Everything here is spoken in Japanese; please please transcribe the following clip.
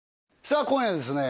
さあ今夜はですね